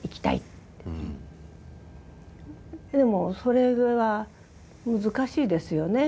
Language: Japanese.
でもそれは難しいですよね。